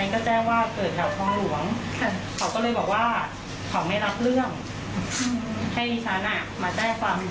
กลางตำรวจเขาก็ถามว่าเหตุเกิดที่ไหน